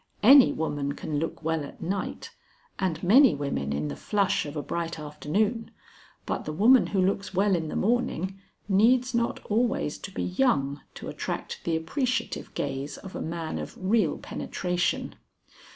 Any woman can look well at night and many women in the flush of a bright afternoon, but the woman who looks well in the morning needs not always to be young to attract the appreciative gaze of a man of real penetration.